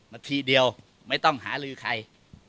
นาทีเดียวไม่ต้องหาลือใคร